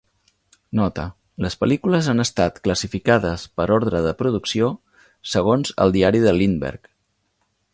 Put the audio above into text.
Nota: les pel·lícules han estat classificades per ordre de producció, segons el diari de Lindberg.